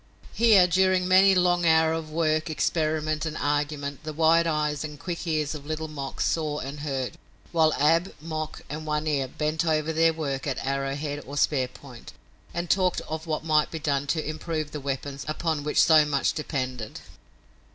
Here during many a long hour of work, experiment and argument, the wide eyes and quick ears of Little Mok saw and heard, while Ab, Mok and One Ear bent over their work at arrowhead or spear point, and talked of what might be done to improve the weapons upon which so much depended.